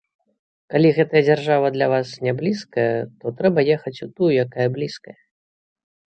Калі гэтая дзяржава для вас не блізкая, то трэба ехаць у тую, якая блізкая.